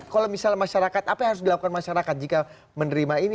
kalau misalnya masyarakat apa yang harus dilakukan masyarakat jika menerima ini